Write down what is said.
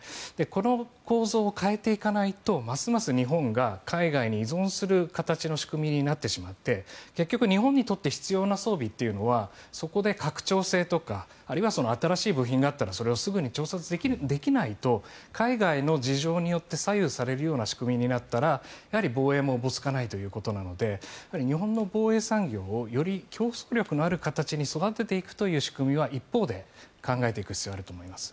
この構造を変えていかないとますます日本が海外に依存する形の仕組みになってしまって結局日本にとって必要な装備というのはそこで拡張性とか新しい部品があったらそれをすぐに調達できないと海外の事情によって左右されるような仕組みになったら防衛もおぼつかないということなので日本の防衛産業をより競争力のある形に育てていくという仕組みは一方で考えていく必要があると思います。